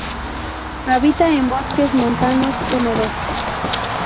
Habita en bosques montanos húmedos.